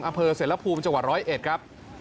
อำเภอเสรภูมิจังหวัดร้อยเอ็ดครับ